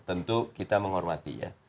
tentu kita menghormati ya